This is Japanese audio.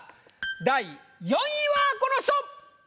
第４位はこの人！